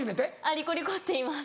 リコリコっていいます。